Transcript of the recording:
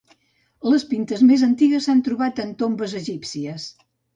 Les pintes més antigues s'han trobat en tombes egípcies.